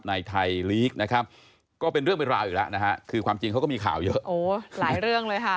ในไทยลีกนะครับก็เป็นเรื่องเป็นราวอีกแล้วนะฮะคือความจริงเขาก็มีข่าวเยอะโอ้หลายเรื่องเลยค่ะ